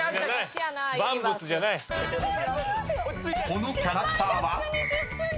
［このキャラクターは？］